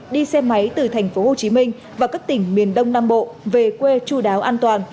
đi xe máy từ thành phố hồ chí minh và các tỉnh miền đông nam bộ về quê chú đáo an toàn